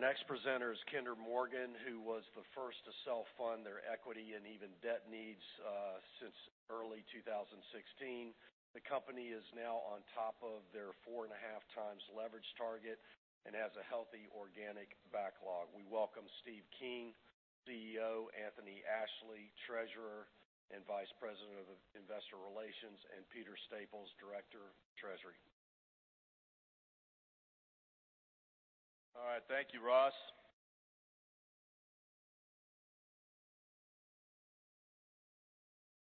Our next presenter is Kinder Morgan, who was the first to self-fund their equity and even debt needs since early 2016. The company is now on top of their four and a half times leverage target and has a healthy organic backlog. We welcome Steven Kean, CEO, Anthony Ashley, Treasurer and Vice President of Investor Relations, and Peter Staples, Director of Treasury. All right. Thank you, Ross.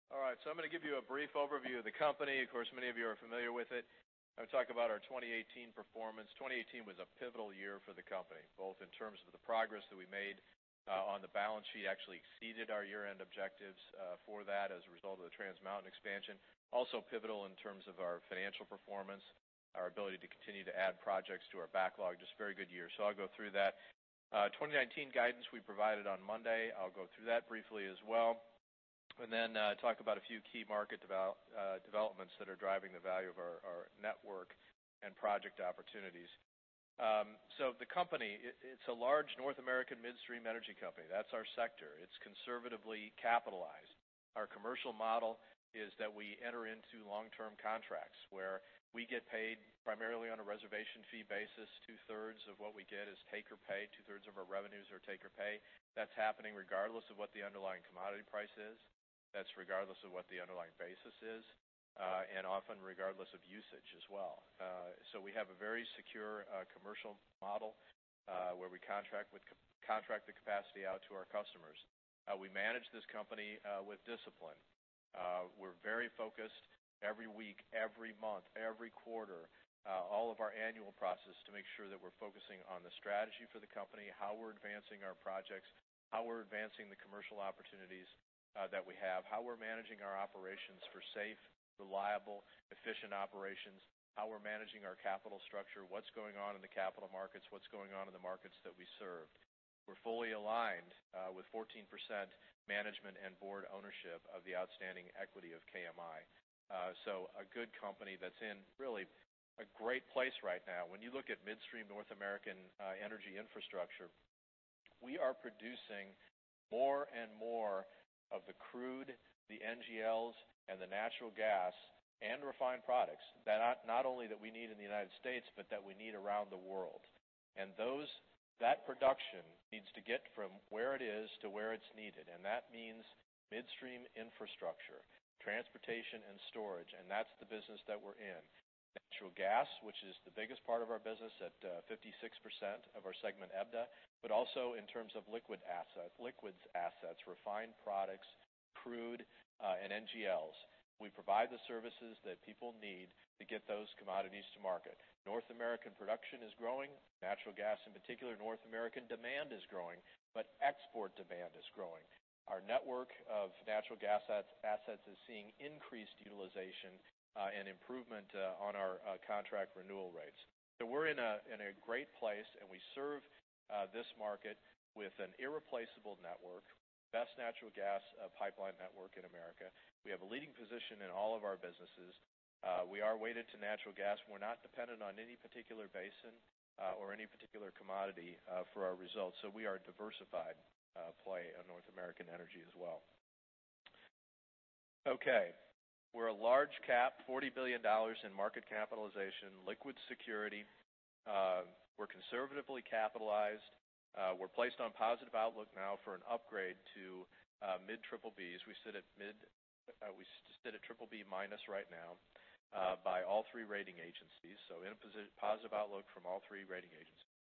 All right, I'm going to give you a brief overview of the company. Of course, many of you are familiar with it. I'm going to talk about our 2018 performance. 2018 was a pivotal year for the company, both in terms of the progress that we made on the balance sheet. Actually exceeded our year-end objectives for that as a result of the Trans Mountain expansion. Also pivotal in terms of our financial performance, our ability to continue to add projects to our backlog. Just a very good year. I'll go through that. 2019 guidance we provided on Monday, I'll go through that briefly as well, then talk about a few key market developments that are driving the value of our network and project opportunities. The company, it's a large North American midstream energy company. That's our sector. It's conservatively capitalized. Our commercial model is that we enter into long-term contracts where we get paid primarily on a reservation fee basis. Two-thirds of what we get is take-or-pay. Two-thirds of our revenues are take-or-pay. That's happening regardless of what the underlying commodity price is. That's regardless of what the underlying basis is. Often regardless of usage as well. We have a very secure commercial model, where we contract the capacity out to our customers. We manage this company with discipline. We're very focused every week, every month, every quarter, all of our annual process to make sure that we're focusing on the strategy for the company, how we're advancing our projects, how we're advancing the commercial opportunities that we have, how we're managing our operations for safe, reliable, efficient operations, how we're managing our capital structure, what's going on in the capital markets, what's going on in the markets that we serve. We're fully aligned with 14% management and board ownership of the outstanding equity of KMI. A good company that's in really a great place right now. When you look at midstream North American energy infrastructure, we are producing more and more of the crude, the NGLs, and the natural gas and refined products that not only that we need in the United States, but that we need around the world. That production needs to get from where it is to where it's needed, and that means midstream infrastructure, transportation, and storage. That's the business that we're in. Natural gas, which is the biggest part of our business at 56% of our segment EBITDA, but also in terms of liquids assets, refined products, crude, and NGLs. We provide the services that people need to get those commodities to market. North American production is growing. Natural gas in particular. North American demand is growing, but export demand is growing. Our network of natural gas assets is seeing increased utilization, and improvement on our contract renewal rates. We're in a great place, and we serve this market with an irreplaceable network, best natural gas pipeline network in the U.S. We have a leading position in all of our businesses. We are weighted to natural gas, and we're not dependent on any particular basin, or any particular commodity for our results. We are a diversified play on North American energy as well. We're a large cap, $40 billion in market capitalization, liquid security. We're conservatively capitalized. We're placed on positive outlook now for an upgrade to mid-triple B, as we sit at triple B minus right now, by all three rating agencies. In a positive outlook from all three rating agencies.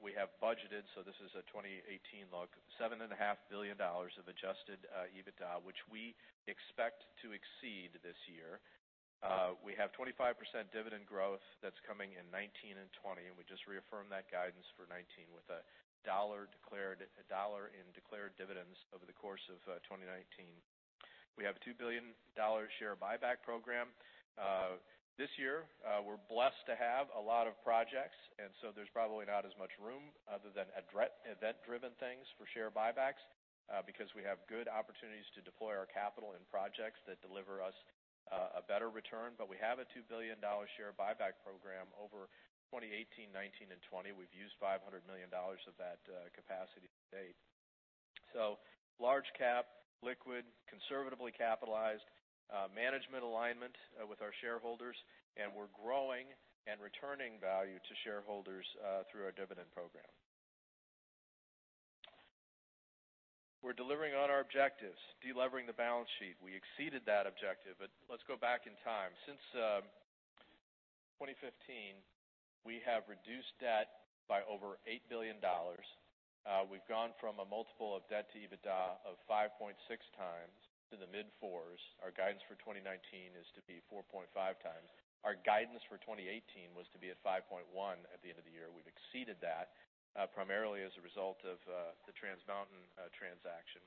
We have budgeted, so this is a 2018 look, $7.5 billion of adjusted EBITDA, which we expect to exceed this year. We have 25% dividend growth that's coming in 2019 and 2020, and we just reaffirmed that guidance for 2019 with $1 in declared dividends over the course of 2019. We have a $2 billion share buyback program. This year, we're blessed to have a lot of projects, there's probably not as much room other than event-driven things for share buybacks. We have good opportunities to deploy our capital in projects that deliver us a better return. We have a $2 billion share buyback program over 2018, 2019, and 2020. We've used $500 million of that capacity to date. Large cap, liquid, conservatively capitalized, management alignment with our shareholders, and we're growing and returning value to shareholders through our dividend program. We're delivering on our objectives, de-levering the balance sheet. We exceeded that objective. Let's go back in time. Since 2015, we have reduced debt by over $8 billion. We've gone from a multiple of debt to EBITDA of 5.6 times to the mid-fours. Our guidance for 2019 is to be 4.5 times. Our guidance for 2018 was to be at 5.1 at the end of the year. We've exceeded that, primarily as a result of the Trans Mountain transaction.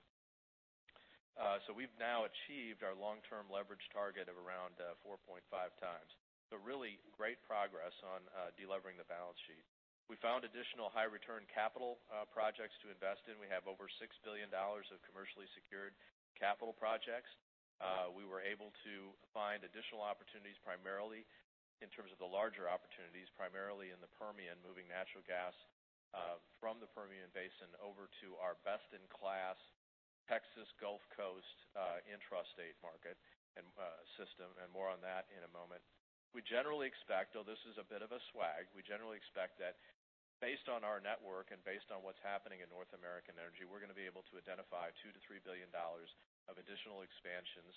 We've now achieved our long-term leverage target of around 4.5 times. Really great progress on de-levering the balance sheet. We found additional high return capital projects to invest in. We have over $6 billion of commercially secured capital projects. We were able to find additional opportunities, in terms of the larger opportunities, primarily in the Permian, moving natural gas from the Permian Basin over to our best-in-class Texas Gulf Coast intrastate market system, and more on that in a moment. We generally expect, though this is a bit of a SWAG, we generally expect that based on our network and based on what's happening in North American energy, we're going to be able to identify $2-$3 billion of additional expansions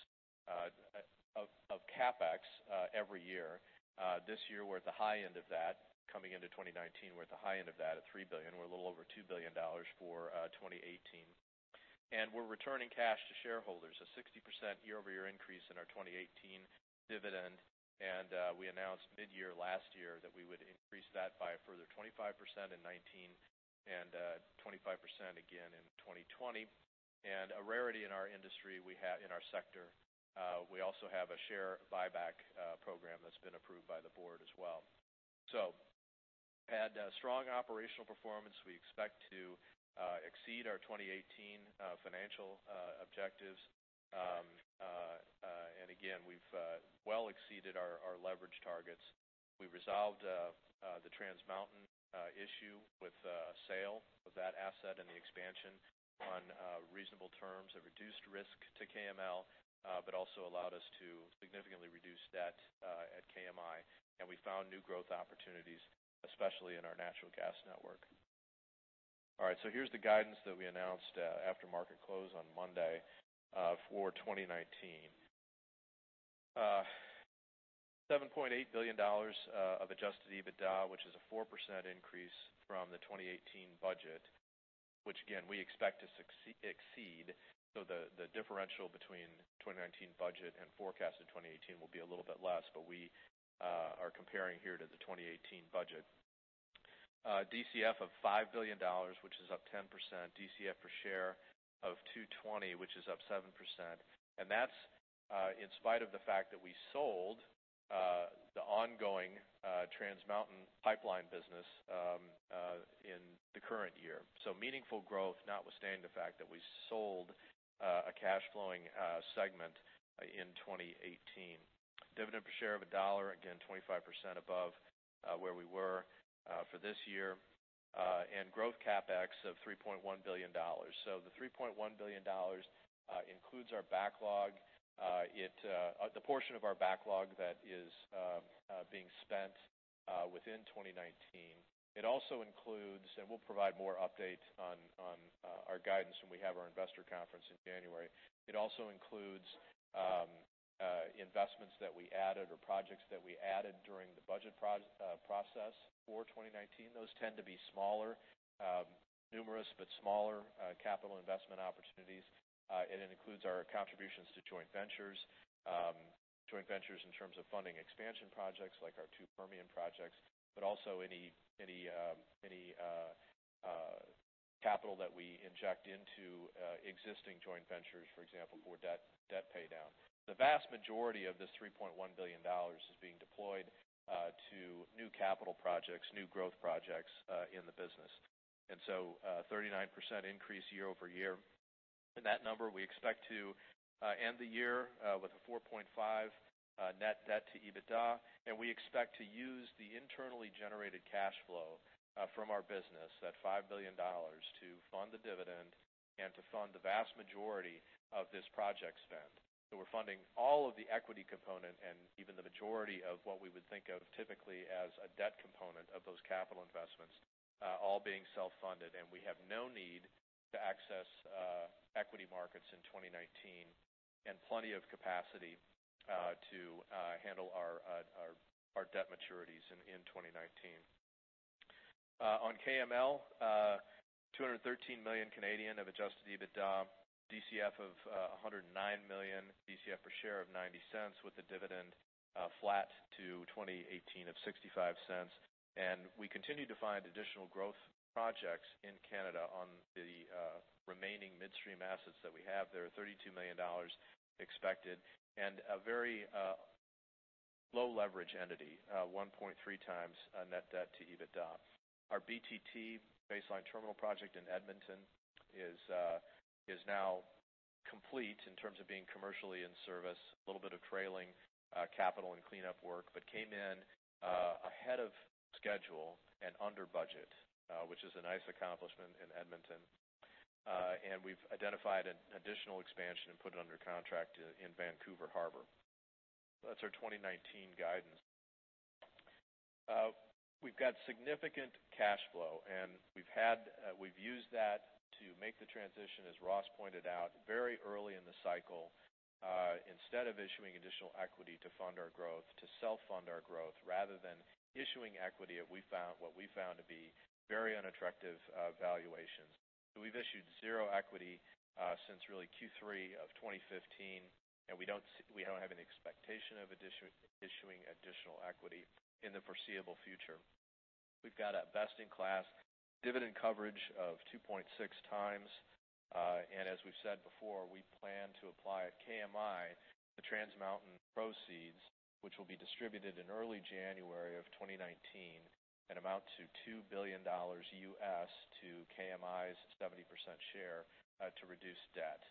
of CapEx every year. This year, we're at the high end of that. Coming into 2019, we're at the high end of that at $3 billion. We're a little over $2 billion for 2018. We're returning cash to shareholders, a 60% year-over-year increase in our 2018 dividend. We announced mid-year last year that we would increase that by a further 25% in 2019, and 25% again in 2020. A rarity in our industry, in our sector, we also have a share buyback program that's been approved by the board as well. We've had strong operational performance. We expect to exceed our 2018 financial objectives. Again, we've well exceeded our leverage targets. We resolved the Trans Mountain issue with a sale of that asset and the expansion on reasonable terms that reduced risk to KML, but also allowed us to significantly reduce debt at KMI. We found new growth opportunities, especially in our natural gas network. All right. Here's the guidance that we announced after market close on Monday for 2019. $7.8 billion of adjusted EBITDA, which is a 4% increase from the 2018 budget, which again, we expect to exceed. The differential between 2019 budget and forecast in 2018 will be a little bit less, but we are comparing here to the 2018 budget. DCF of $5 billion, which is up 10%. DCF per share of $2.20, which is up 7%. That's in spite of the fact that we sold the ongoing Trans Mountain pipeline business in the current year. Meaningful growth notwithstanding the fact that we sold a cash flowing segment in 2018. Dividend per share of $1, again, 25% above where we were for this year. Growth CapEx of $3.1 billion. The $3.1 billion includes our backlog. The portion of our backlog that is being spent within 2019. It also includes, and we'll provide more updates on our guidance when we have our investor conference in January. It also includes investments that we added or projects that we added during the budget process for 2019. Those tend to be smaller, numerous but smaller capital investment opportunities. It includes our contributions to joint ventures. Joint ventures in terms of funding expansion projects like our two Permian projects, but also any capital that we inject into existing joint ventures, for example, for debt paydown. The vast majority of this $3.1 billion is being deployed to new capital projects, new growth projects in the business. A 39% increase year-over-year. In that number, we expect to end the year with a 4.5x net debt-to-EBITDA, and we expect to use the internally generated cash flow from our business, that $5 billion, to fund the dividend and to fund the vast majority of this project spend. We're funding all of the equity component and even the majority of what we would think of typically as a debt component of those capital investments all being self-funded. We have no need to access equity markets in 2019 and plenty of capacity to handle our debt maturities in 2019. On KML, 213 million of adjusted EBITDA, DCF of $109 million, DCF per share of $0.90 with the dividend flat to 2018 of $0.65. We continue to find additional growth projects in Canada on the remaining midstream assets that we have there, $32 million expected. A very low leverage entity, 1.3 times net debt to EBITDA. Our BTT, Base Line Terminal project in Edmonton, is now complete in terms of being commercially in service. A little bit of trailing capital and cleanup work, but came in ahead of schedule and under budget, which is a nice accomplishment in Edmonton. We've identified an additional expansion and put it under contract in Vancouver Harbour. That's our 2019 guidance. We've got significant cash flow, and we've used that to make the transition, as Ross pointed out, very early in the cycle. Instead of issuing additional equity to fund our growth, to self-fund our growth, rather than issuing equity at what we found to be very unattractive valuations. We've issued zero equity since really Q3 of 2015, and we don't have any expectation of issuing additional equity in the foreseeable future. We've got a best-in-class dividend coverage of 2.6 times. As we've said before, we plan to apply at KMI the Trans Mountain proceeds, which will be distributed in early January of 2019 and amount to $2 billion to KMI's 70% share to reduce debt.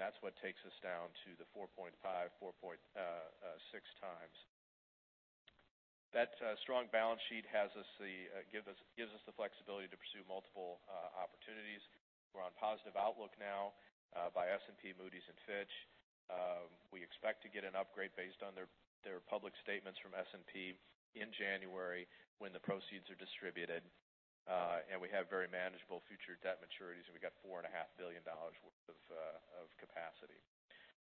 That's what takes us down to the 4.5, 4.6 times. That strong balance sheet gives us the flexibility to pursue multiple opportunities. We're on positive outlook now by S&P, Moody's, and Fitch. We expect to get an upgrade based on their public statements from S&P in January when the proceeds are distributed. We have very manageable future debt maturities, and we got $4.5 billion worth of capacity.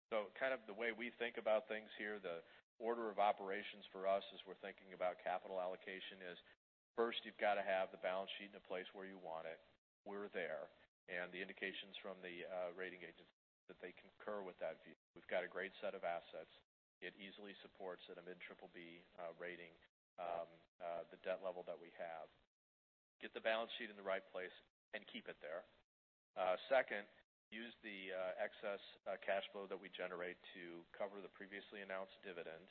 The way we think about things here, the order of operations for us as we're thinking about capital allocation is, first you've got to have the balance sheet in a place where you want it. We're there. The indications from the rating agencies that they concur with that view. We've got a great set of assets. It easily supports at a mid-triple-B rating the debt level that we have. Get the balance sheet in the right place and keep it there. Second, use the excess cash flow that we generate to cover the previously announced dividend.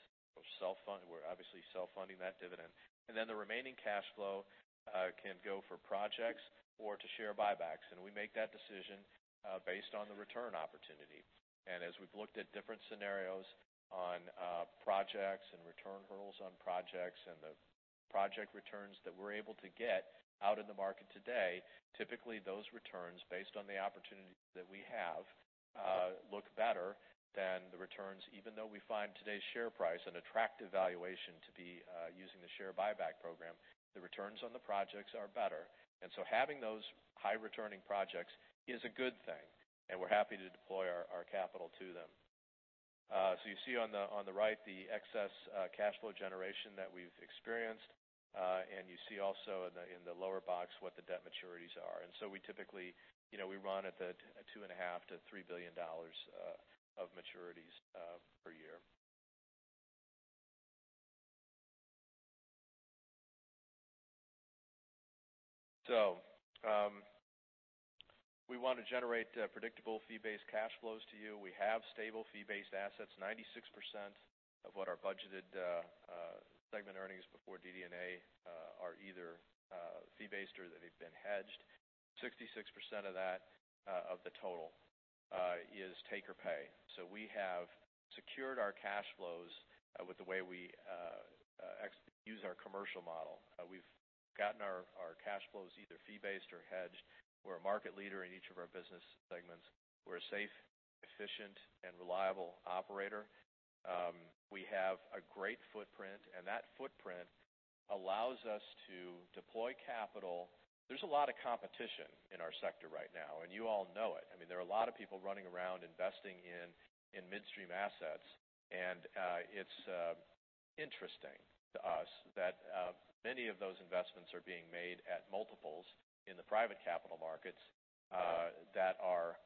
We're obviously self-funding that dividend. The remaining cash flow can go for projects or to share buybacks, and we make that decision based on the return opportunity. As we've looked at different scenarios on projects and return hurdles on projects and the project returns that we're able to get out in the market today, typically those returns, based on the opportunities that we have, look better than the returns, even though we find today's share price an attractive valuation to be using the share buyback program. The returns on the projects are better. Having those high-returning projects is a good thing, and we're happy to deploy our capital to them. You see on the right, the excess cash flow generation that we've experienced. You see also in the lower box what the debt maturities are. We typically run at the $2.5-$3 billion of maturities per year. We want to generate predictable fee-based cash flows to you. We have stable fee-based assets, 96% of what our budgeted segment earnings before DD&A are either fee-based or they've been hedged. 66% of the total is take-or-pay. We have secured our cash flows with the way we use our commercial model. We've gotten our cash flows either fee-based or hedged. We're a market leader in each of our business segments. We're a safe, efficient, and reliable operator. We have a great footprint, and that footprint allows us to deploy capital. There's a lot of competition in our sector right now, and you all know it. There are a lot of people running around investing in midstream assets. It's interesting to us that many of those investments are being made at multiples in the private capital markets that are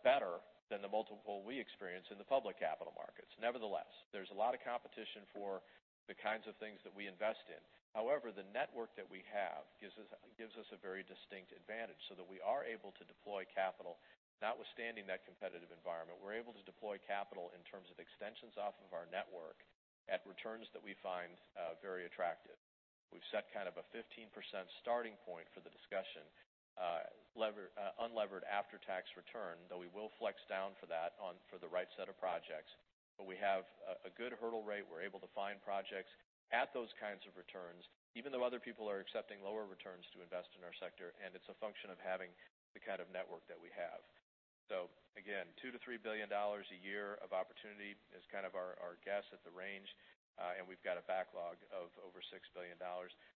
better than the multiple we experience in the public capital markets. Nevertheless, there's a lot of competition for the kinds of things that we invest in. However, the network that we have gives us a very distinct advantage so that we are able to deploy capital. Notwithstanding that competitive environment, we're able to deploy capital in terms of extensions off of our network at returns that we find very attractive. We've set kind of a 15% starting point for the discussion, unlevered after-tax return, though we will flex down for that for the right set of projects. We have a good hurdle rate. We're able to find projects at those kinds of returns, even though other people are accepting lower returns to invest in our sector, and it's a function of having the kind of network that we have. Again, $2-$3 billion a year of opportunity is kind of our guess at the range. We've got a backlog of over $6 billion,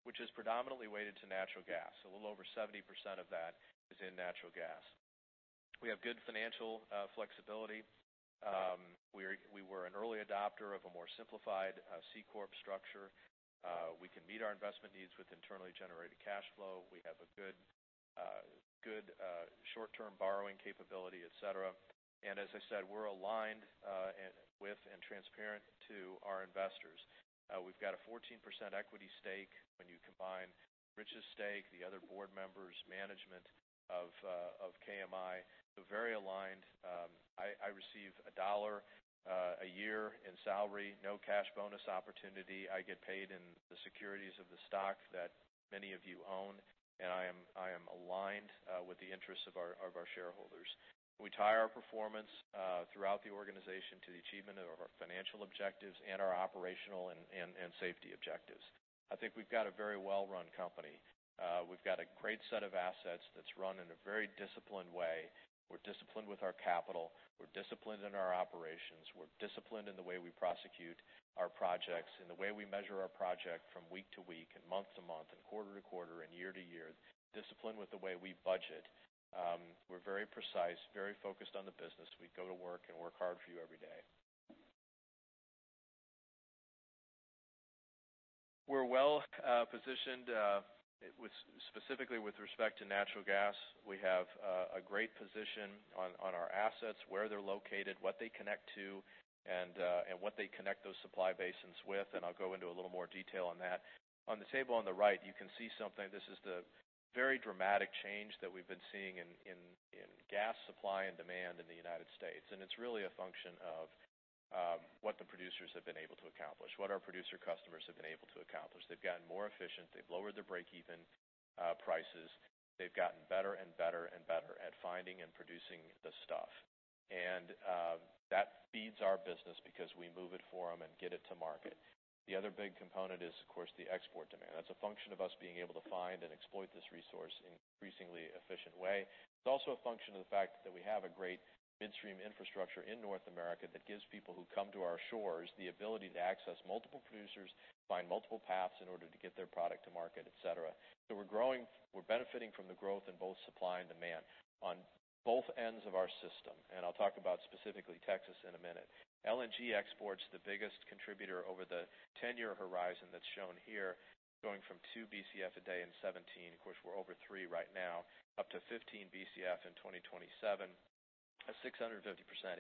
which is predominantly weighted to natural gas. A little over 70% of that is in natural gas. We have good financial flexibility. We were an early adopter of a more simplified C-corp structure. We can meet our investment needs with internally generated cash flow. We have a good short-term borrowing capability, et cetera. As I said, we're aligned with and transparent to our investors. We've got a 14% equity stake when you combine Rich's stake, the other board members, management of KMI. Very aligned. I receive $1 a year in salary, no cash bonus opportunity. I get paid in the securities of the stock that many of you own, and I am aligned with the interests of our shareholders. We tie our performance throughout the organization to the achievement of our financial objectives and our operational and safety objectives. I think we've got a very well-run company. We've got a great set of assets that's run in a very disciplined way. We're disciplined with our capital. We're disciplined in our operations. We're disciplined in the way we prosecute our projects, in the way we measure our project from week to week and month to month and quarter to quarter and year to year. Disciplined with the way we budget. We're very precise, very focused on the business. We go to work and work hard for you every day. We're well positioned, specifically with respect to natural gas. We have a great position on our assets, where they're located, what they connect to and what they connect those supply basins with, and I'll go into a little more detail on that. On the table on the right, you can see something. This is the very dramatic change that we've been seeing in gas supply and demand in the U.S., and it's really a function of what the producers have been able to accomplish, what our producer customers have been able to accomplish. They've gotten more efficient. They've lowered their breakeven prices. They've gotten better and better and better at finding and producing the stuff. That feeds our business because we move it for them and get it to market. The other big component is, of course, the export demand. That's a function of us being able to find and exploit this resource in an increasingly efficient way. It's also a function of the fact that we have a great midstream infrastructure in North America that gives people who come to our shores the ability to access multiple producers, find multiple paths in order to get their product to market, et cetera. We're growing. We're benefiting from the growth in both supply and demand on both ends of our system, and I'll talk about specifically Texas in a minute. LNG exports, the biggest contributor over the 10-year horizon that's shown here, going from two BCF a day in 2017, of course, we're over three right now, up to 15 BCF in 2027, a 650%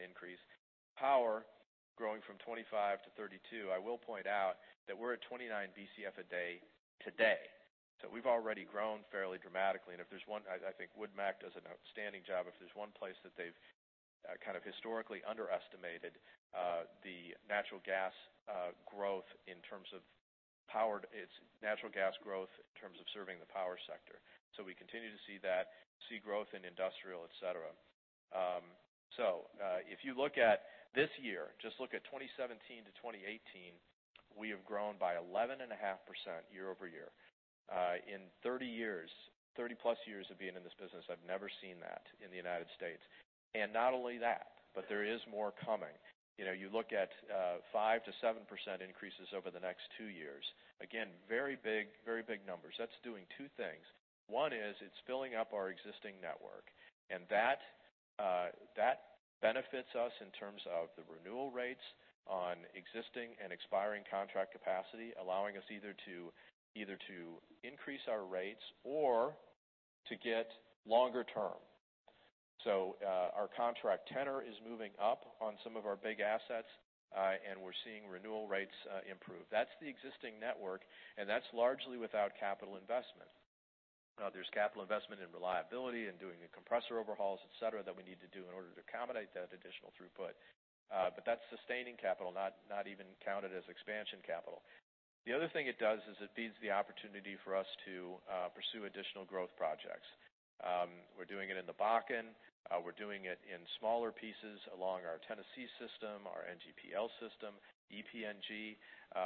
increase. Power growing from 25-32. I will point out that we're at 29 BCF a day today. We've already grown fairly dramatically. I think WoodMac does an outstanding job. If there's one place that they've historically underestimated the natural gas growth in terms of serving the power sector. We continue to see that, see growth in industrial, et cetera. If you look at this year, just look at 2017-2018, we have grown by 11.5% year-over-year. In 30+ years of being in this business, I've never seen that in the U.S. Not only that, but there is more coming. You look at 5%-7% increases over the next two years. Again, very big numbers. That's doing two things. One is it's filling up our existing network, and that benefits us in terms of the renewal rates on existing and expiring contract capacity, allowing us either to increase our rates or to get longer term. Our contract tenor is moving up on some of our big assets, and we're seeing renewal rates improve. That's the existing network, and that's largely without capital investment. There's capital investment in reliability and doing the compressor overhauls, et cetera, that we need to do in order to accommodate that additional throughput. That's sustaining capital, not even counted as expansion capital. The other thing it does is it feeds the opportunity for us to pursue additional growth projects. We're doing it in the Bakken. We're doing it in smaller pieces along our Tennessee system, our NGPL system, EPNG.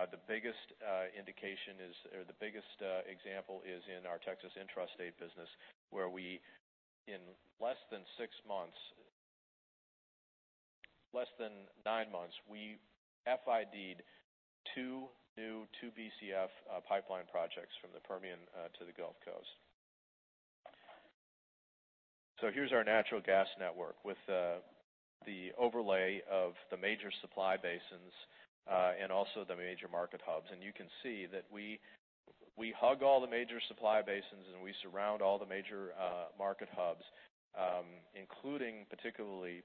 The biggest example is in our Texas intrastate business, where we, in less than six months, less than nine months, we FID'd two new two BCF pipeline projects from the Permian to the Gulf Coast. Here's our natural gas network with the overlay of the major supply basins, also the major market hubs. You can see that we hug all the major supply basins, and we surround all the major market hubs, including particularly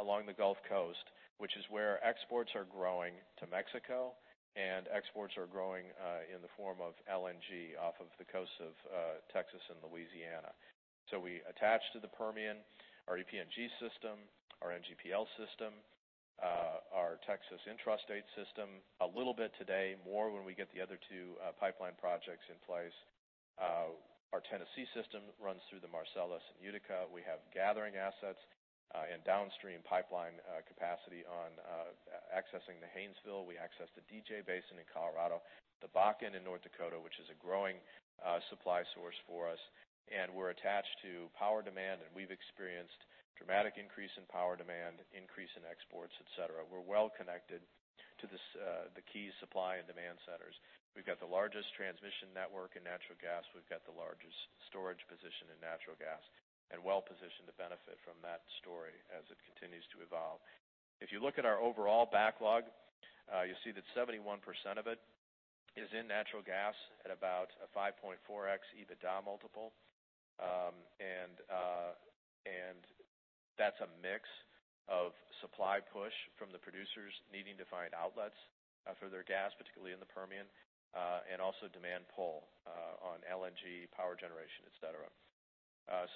along the Gulf Coast, which is where exports are growing to Mexico, and exports are growing in the form of LNG off of the coasts of Texas and Louisiana. We attach to the Permian our EPNG system, our NGPL system, our Texas intrastate system, a little bit today, more when we get the other two pipeline projects in place. Our Tennessee system runs through the Marcellus and Utica. We have gathering assets and downstream pipeline capacity on accessing the Haynesville. We access the DJ Basin in Colorado, the Bakken in North Dakota, which is a growing supply source for us. We're attached to power demand, we've experienced dramatic increase in power demand, increase in exports, et cetera. We're well connected to the key supply and demand centers. We've got the largest transmission network in natural gas. We've got the largest storage position in natural gas, and well positioned to benefit from that story as it continues to evolve. If you look at our overall backlog, you'll see that 71% of it is in natural gas at about a 5.4x EBITDA multiple. That's a mix of supply push from the producers needing to find outlets for their gas, particularly in the Permian, and also demand pull on LNG power generation, et cetera.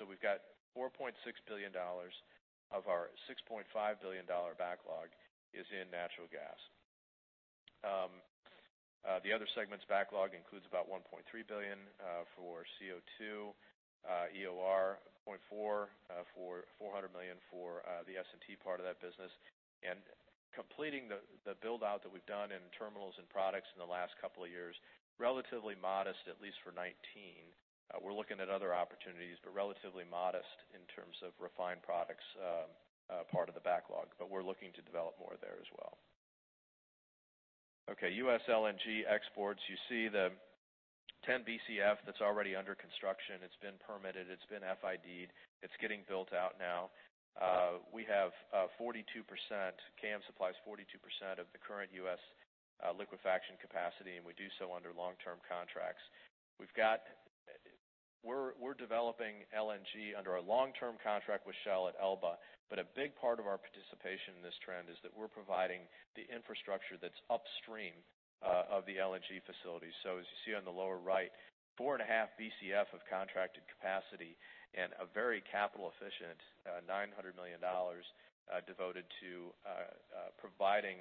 We've got $4.6 billion of our $6.5 billion backlog is in natural gas. The other segments backlog includes about $1.3 billion for CO2, EOR, $400 million for the S&T part of that business. Completing the build-out that we've done in terminals and products in the last couple of years, relatively modest, at least for 2019. We're looking at other opportunities, but relatively modest in terms of refined products part of the backlog. We're looking to develop more there as well. U.S. LNG exports. You see the 10 BCF that's already under construction. It's been permitted. It's been FID'd. It's getting built out now. KM supplies 42% of the current U.S. liquefaction capacity, and we do so under long-term contracts. We're developing LNG under a long-term contract with Shell at Elba. A big part of our participation in this trend is that we're providing the infrastructure that's upstream of the LNG facility. As you see on the lower right, 4.5 Bcf of contracted capacity and a very capital efficient $900 million devoted to providing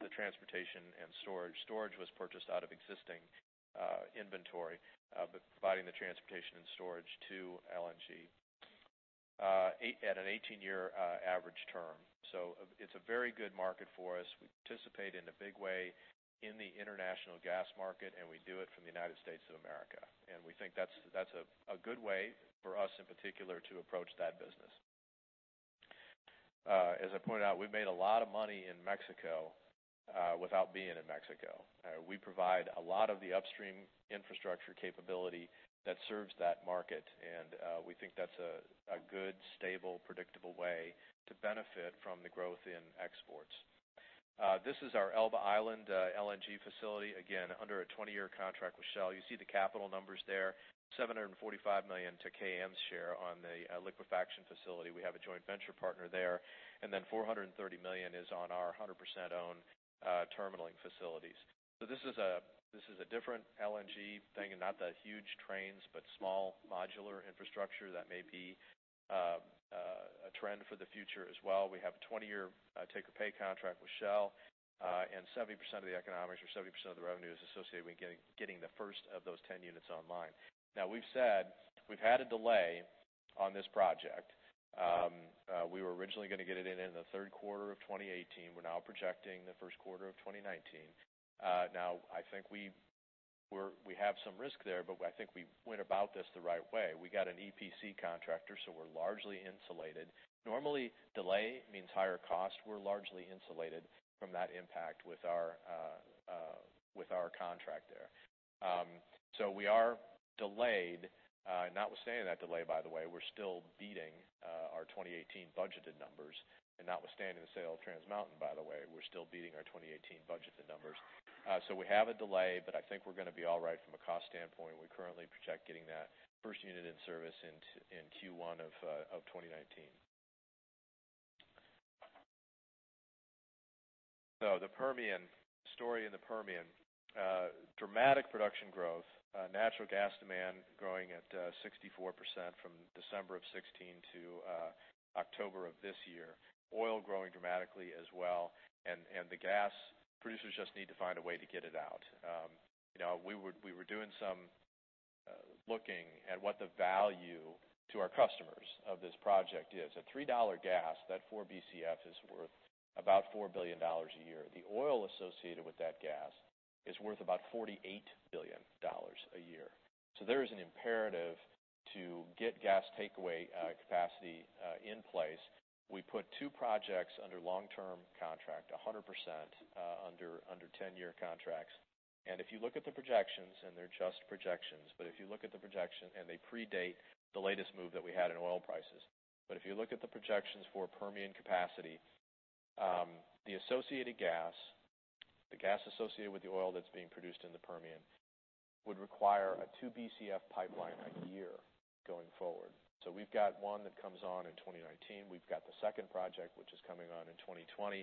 the transportation and storage. Storage was purchased out of existing inventory, providing the transportation and storage to LNG at an 18-year average term. It's a very good market for us. We participate in a big way in the international gas market, and we do it from the United States of America. We think that's a good way for us, in particular, to approach that business. As I pointed out, we've made a lot of money in Mexico without being in Mexico. We provide a lot of the upstream infrastructure capability that serves that market, and we think that's a good, stable, predictable way to benefit from the growth in exports. This is our Elba Island LNG facility, again, under a 20-year contract with Shell. You see the capital numbers there, $745 million to KM's share on the liquefaction facility. We have a joint venture partner there, $430 million is on our 100% owned terminaling facilities. This is a different LNG thing and not the huge trains, but small modular infrastructure that may be a trend for the future as well. We have a 20-year take-or-pay contract with Shell, 70% of the economics or 70% of the revenue is associated with getting the first of those 10 units online. We've said we've had a delay on this project. We were originally going to get it in the third quarter of 2018. We're now projecting the Q1 of 2019. I think we have some risk there, but I think we went about this the right way. We got an EPC contractor, we're largely insulated. Normally, delay means higher cost. We're largely insulated from that impact with our contract there. We are delayed. Notwithstanding that delay, by the way, we're still beating our 2018 budgeted numbers. Notwithstanding the sale of Trans Mountain, by the way, we're still beating our 2018 budgeted numbers. We have a delay, but I think we're going to be all right from a cost standpoint. We currently project getting that first unit in service in Q1 of 2019. The Permian. Story in the Permian. Dramatic production growth. Natural gas demand growing at 64% from December of 2016 to October of this year. Oil growing dramatically as well, the gas producers just need to find a way to get it out. We were doing some looking at what the value to our customers of this project is. At $3 gas, that 4 BCF is worth about $4 billion a year. The oil associated with that gas is worth about $48 billion a year. There is an imperative to get gas takeaway capacity in place. We put two projects under long-term contract, 100% under 10-year contracts. If you look at the projections, and they're just projections, but if you look at the projection, they predate the latest move that we had in oil prices. If you look at the projections for Permian capacity, the associated gas, the gas associated with the oil that's being produced in the Permian would require a 2 BCF pipeline a year going forward. We've got one that comes on in 2019. We've got the second project which is coming on in 2020.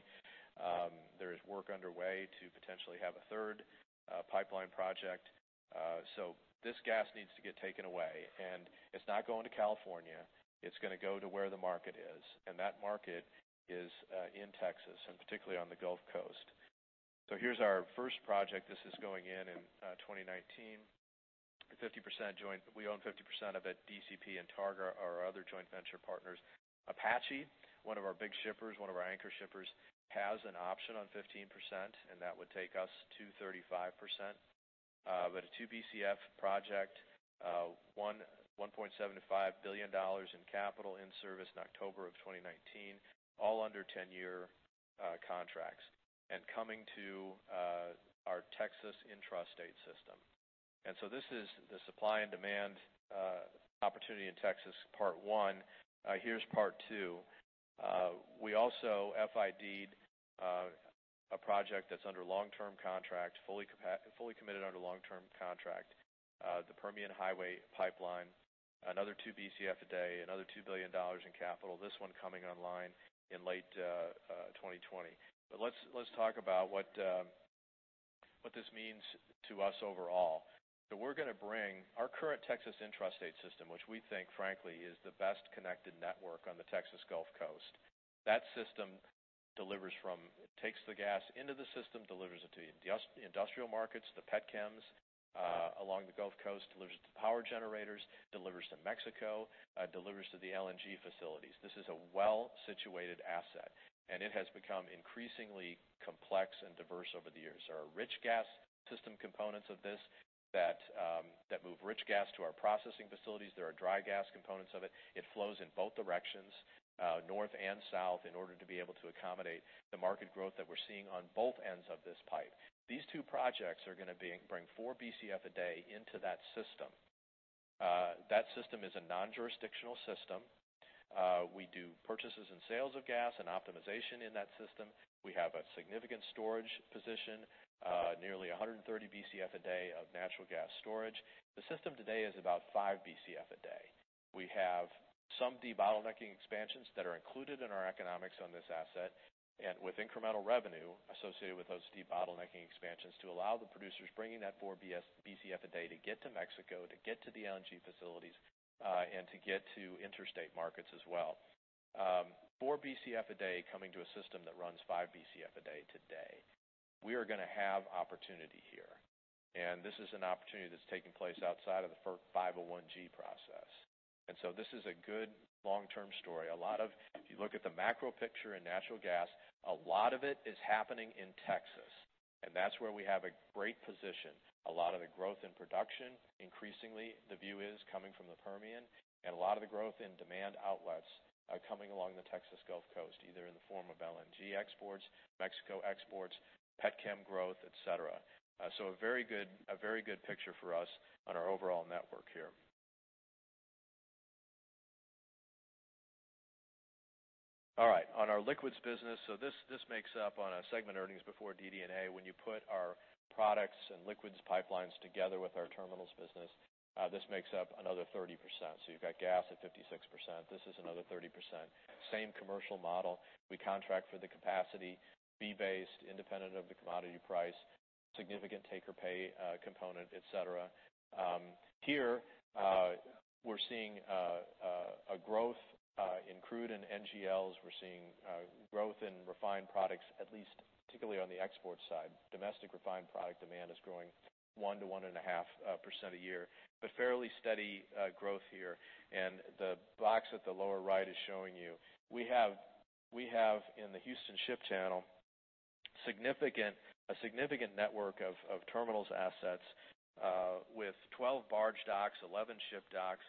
There is work underway to potentially have a third pipeline project. This gas needs to get taken away; it's not going to California. It's going to go to where the market is, that market is in Texas, particularly on the Gulf Coast. Here's our first project. This is going in in 2019. We own 50% of it. DCP and Targa are our other joint venture partners. Apache, one of our big shippers, one of our anchor shippers, has an option on 15%, that would take us to 35%. A 2 BCF project, $1.75 billion in capital in service in October of 2019, all under 10-year contracts, coming to our Texas intrastate system. This is the supply and demand opportunity in Texas, part one. Here's part two. We also FID'd a project that's under long-term contract, fully committed under long-term contract. The Permian Highway Pipeline, another 2 BCF a day, another $2 billion in capital. This one coming online in late 2020. Let's talk about what this means to us overall. We're going to bring our current Texas intrastate system, which we think, frankly, is the best-connected network on the Texas Gulf Coast. That system takes the gas into the system, delivers it to the industrial markets, the petchems along the Gulf Coast, delivers it to power generators, delivers to Mexico, delivers to the LNG facilities. This is a well-situated asset, and it has become increasingly complex and diverse over the years. There are rich gas system components of this that move rich gas to our processing facilities. There are dry gas components of it. It flows in both directions, north and south, in order to be able to accommodate the market growth that we're seeing on both ends of this pipe. These two projects are going to bring 4 BCF a day into that system. That system is a non-jurisdictional system. We do purchases and sales of gas and optimization in that system. We have a significant storage position, nearly 130 BCF a day of natural gas storage. The system today is about 5 BCF a day. We have some debottlenecking expansions that are included in our economics on this asset, and with incremental revenue associated with those debottlenecking expansions to allow the producers bringing that 4 BCF a day to get to Mexico, to get to the LNG facilities, and to get to interstate markets as well. 4 BCF a day coming to a system that runs 5 BCF a day today. We are going to have opportunity here, and this is an opportunity that's taking place outside of the FERC Form 501-G process. This is a good long-term story. If you look at the macro picture in natural gas, a lot of it is happening in Texas, and that's where we have a great position. A lot of the growth in production, increasingly the view is coming from the Permian, and a lot of the growth in demand outlets are coming along the Texas Gulf Coast, in the form of LNG exports, Mexico exports, petchem growth, et cetera. A very good picture for us on our overall network here. All right. On our liquids business, this makes up on our segment earnings before DD&A. When you put our products and liquids pipelines together with our terminals business, this makes up another 30%. You've got gas at 56%. This is another 30%. Same commercial model. We contract for the capacity, fee-based, independent of the commodity price, significant take-or-pay component, et cetera. Here, we're seeing a growth in crude and NGLs. We're seeing growth in refined products, at least particularly on the export side. Domestic refined product demand is growing 1%-1.5% a year. Fairly steady growth here, and the box at the lower right is showing you. We have, in the Houston Ship Channel, a significant network of terminals assets with 12 barge docks, 11 ship docks,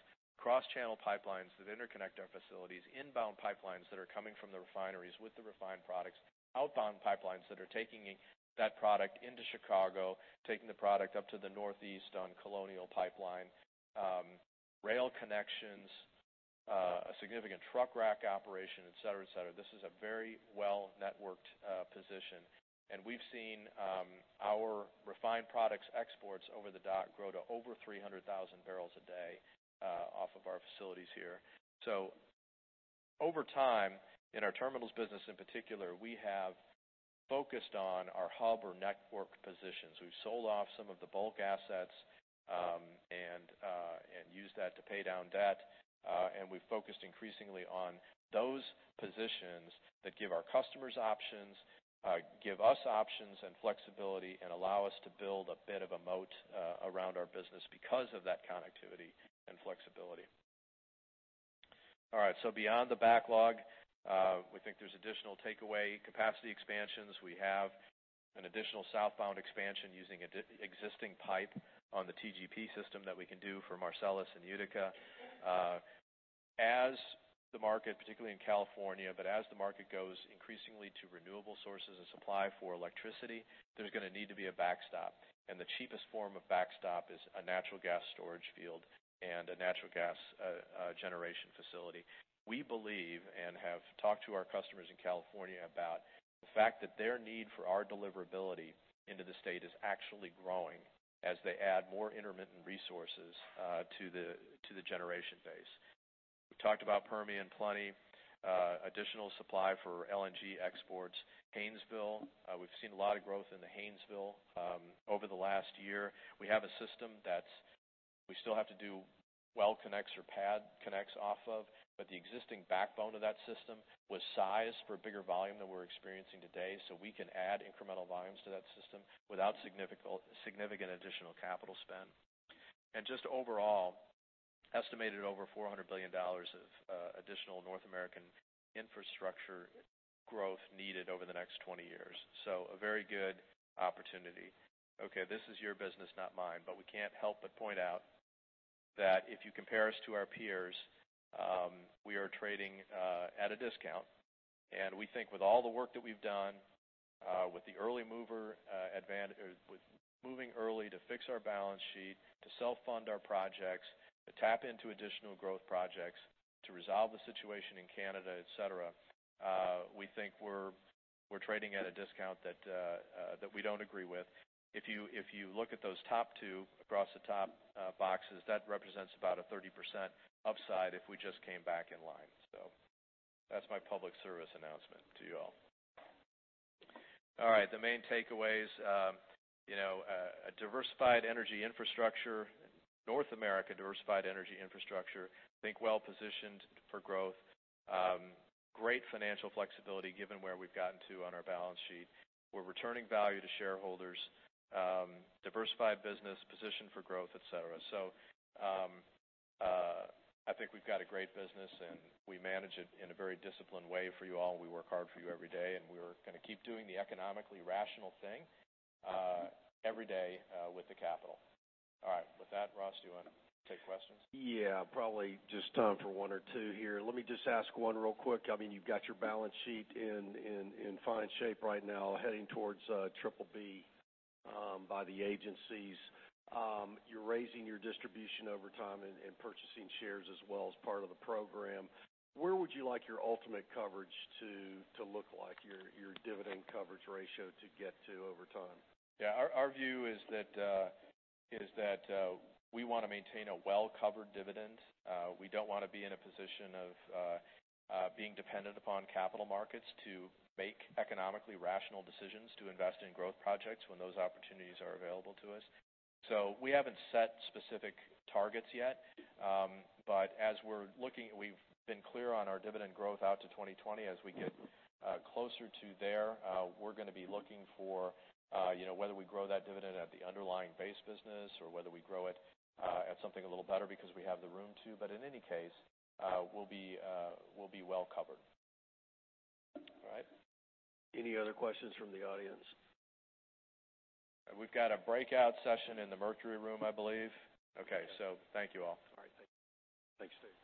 cross-channel pipelines that interconnect our facilities, inbound pipelines that are coming from the refineries with the refined products, outbound pipelines that are taking that product into Chicago, taking the product up to the Northeast on Colonial Pipeline. Rail connections, a significant truck rack operation, et cetera. This is a very well-networked position, and we've seen our refined products exports over the dock grow to over 300,000 barrels a day off of our facilities here. Over time, in our terminals business in particular, we have focused on our hub or network positions. We've sold off some of the bulk assets, and used that to pay down debt. We've focused increasingly on those positions that give our customers options, give us options and flexibility, and allow us to build a bit of a moat around our business because of that connectivity and flexibility. All right. Beyond the backlog, we think there's additional takeaway capacity expansions. We have an additional southbound expansion using existing pipe on the TGP system that we can do for Marcellus and Utica. As the market, particularly in California, but as the market goes increasingly to renewable sources of supply for electricity, there's going to need to be a backstop, and the cheapest form of backstop is a natural gas storage field and a natural gas generation facility. We believe and have talked to our customers in California about the fact that their need for our deliverability into the state is actually growing as they add more intermittent resources to the generation base. We've talked about Permian plenty. Additional supply for LNG exports. Haynesville. We've seen a lot of growth in the Haynesville over the last year. We have a system that we still have to do well connects or pad connects off of, but the existing backbone of that system was sized for bigger volume than we're experiencing today, so we can add incremental volumes to that system without significant additional capital spend. Just overall, estimated over $400 billion of additional North American infrastructure growth needed over the next 20 years. A very good opportunity. Okay. This is your business, not mine, but we can't help but point out that if you compare us to our peers, we are trading at a discount. We think with all the work that we've done, with moving early to fix our balance sheet, to self-fund our projects, to tap into additional growth projects, to resolve the situation in Canada, et cetera, we think we're trading at a discount that we don't agree with. If you look at those top two across the top boxes, that represents about a 30% upside if we just came back in line. That's my public service announcement to you all. All right. The main takeaways. A diversified energy infrastructure, North America diversified energy infrastructure, think well-positioned for growth. Great financial flexibility given where we've gotten to on our balance sheet. We're returning value to shareholders. Diversified business, positioned for growth, et cetera. I think we've got a great business, and we manage it in a very disciplined way for you all, and we work hard for you every day, and we're going to keep doing the economically rational thing every day with the capital. All right. With that, Ross, do you want to take questions? Probably just time for one or two here. Let me just ask one really quick. You've got your balance sheet in fine shape right now, heading towards BBB by the agencies. You're raising your distribution over time and purchasing shares as well as part of the program. Where would you like your ultimate coverage to look like, your dividend coverage ratio to get to over time? Our view is that we want to maintain a well-covered dividend. We don't want to be in a position of being dependent upon capital markets to make economically rational decisions to invest in growth projects when those opportunities are available to us. We haven't set specific targets yet. As we're looking, we've been clear on our dividend growth out to 2020. As we get closer to there, we're going to be looking for whether we grow that dividend at the underlying base business or whether we grow it at something a little better because we have the room to. In any case, we'll be well covered. All right. Any other questions from the audience? We've got a breakout session in the Mercury Room, I believe. Okay. Thank you all. All right. Thank you. Thanks, Steve.